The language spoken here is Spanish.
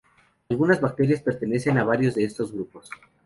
Algunas bacterias pertenecen a varios de estos grupos.